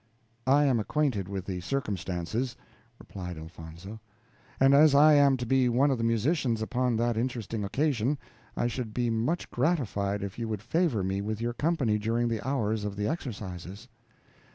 "I am acquainted with the circumstances," replied Elfonzo, "and as I am to be one of the musicians upon that interesting occasion, I should be much gratified if you would favor me with your company during the hours of the exercises."